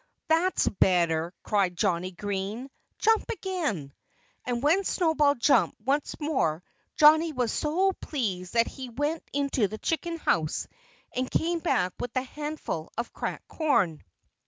"That's better!" cried Johnnie Green. "Jump again!" And when Snowball jumped once more Johnnie was so pleased that he went into the chicken house and came back with a handful of cracked corn.